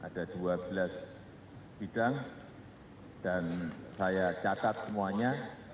ada dua belas bidang dan saya catat semuanya